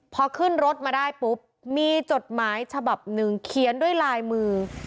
พอขึ้นรถมาได้ปุ๊บมีจดหมายฉบับหนึ่งเขียนด้วยลายมือ